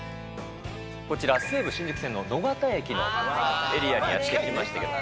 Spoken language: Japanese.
こちら、西武新宿線の野方駅のエリアにやって来ました。